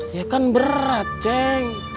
ya kan berat ceng